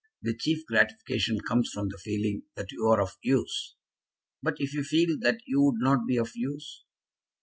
The chief gratification comes from the feeling that you are of use." "But if you feel that you would not be of use?"